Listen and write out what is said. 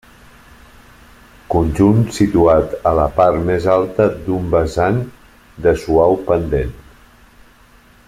Conjunt situat a la part més alta d'un vessant de suau pendent.